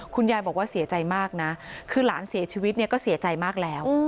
คุณยายบอกว่าเสียใจมากนะคือหลานเสียชีวิตเนี่ยก็เสียใจมากแล้ว